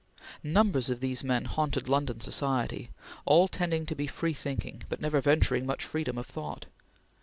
Numbers of these men haunted London society, all tending to free thinking, but never venturing much freedom of thought.